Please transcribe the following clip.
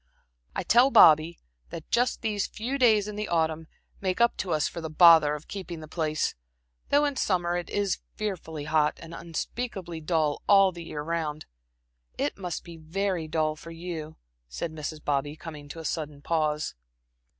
"I tell Bobby that just these few days in the autumn make up to us for the bother of keeping the place, though in summer it is fearfully hot, and unspeakably dull all the year round. It must be very dull for you," said Mrs. Bobby, coming to a sudden pause.